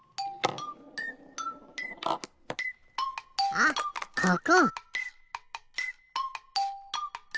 あっここ！